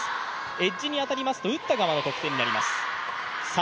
エッジに当たりますと打った側の得点になります。